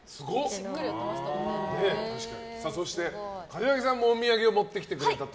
すごい！そして、柏木さんもお土産を持ってきてくれたと。